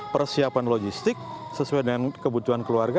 persiapan logistik sesuai dengan kebutuhan keluarga